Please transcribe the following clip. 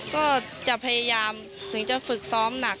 ก็จะพยายามถึงจะฝึกซ้อมหนัก